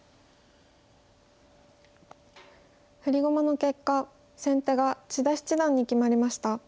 振り駒の結果先手が千田七段に決まりました。